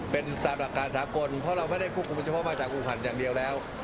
เป็นสามอาการสาปกรณ์เพราะเราไม่ได้คุกกลุ่มเฉพาะมาจากกรุงภัณฑ์อย่างเดียวแล้ว